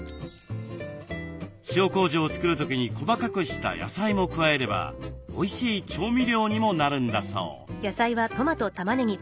塩こうじを作る時に細かくした野菜も加えればおいしい調味料にもなるんだそう。